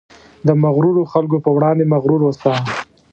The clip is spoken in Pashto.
د مغرورو خلکو په وړاندې مغرور اوسه.